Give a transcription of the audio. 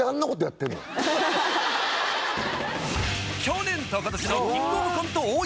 去年と今年のキングオブコント王者